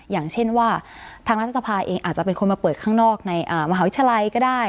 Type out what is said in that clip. อย่างเช่นว่าทางรัฐสภาเองอาจจะเป็นคนมาเปิดข้างนอกในมหาวิทยาลัยก็ได้